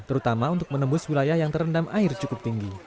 terutama untuk menembus wilayah yang terendam air cukup tinggi